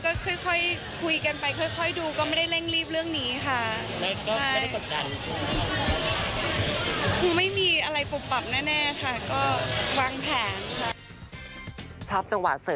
ก็ค่อยคุยกันไปค่อยดูก็ไม่ได้เร่งรีบเรื่องนี้ค่ะ